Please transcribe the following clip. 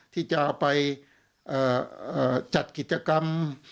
ที่จะไปจัดกิจกรรม